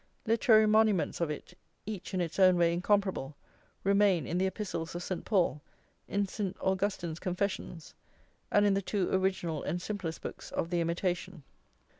Literary monuments of it, each, in its own way, incomparable, remain in the Epistles of St. Paul, in St. Augustine's Confessions, and in the two original and simplest books of the Imitation.